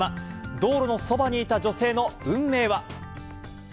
道路のそばにいた女性の運命は。